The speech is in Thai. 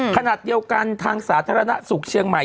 ขณะเดียวกันทางสาธารณสุขเชียงใหม่